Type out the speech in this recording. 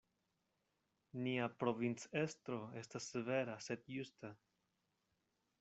Nia provincestro estas severa, sed justa.